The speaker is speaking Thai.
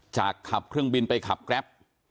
ขับเครื่องบินไปขับแกรป